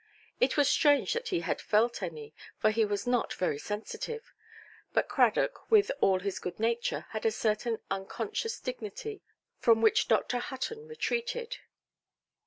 It was strange that he had felt any, for he was not very sensitive; but Cradock, with all his good nature, had a certain unconscious dignity, from which Dr. Hutton retreated.